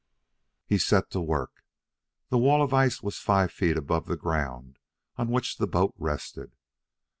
He set to work. The wall of ice was five feet above the ground on which the boat rested.